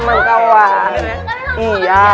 kalian sama banget ya nih